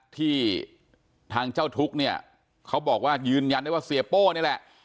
ที่ทางเจ้าทุกข์เนี่ยเขาบอกว่ายืนยันได้ว่าเสียโป้นี่แหละ